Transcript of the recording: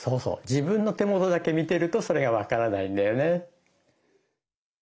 自分の手元だけ見てるとそれが分からないんだよね。